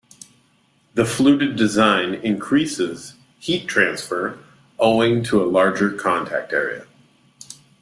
The fluted design increases heat transfer owing to a larger contact area.